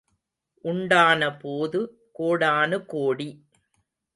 உண்டான போது கோடானுகோடி.